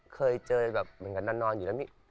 เคยเจอแบบเหมือนกันนอนอยู่แล้วพี่